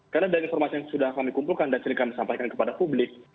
karena dari informasi yang sudah kami kumpulkan dan sering kami sampaikan kepada publik